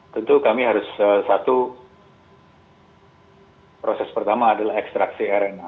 tentu kami harus satu proses pertama adalah ekstraksi rna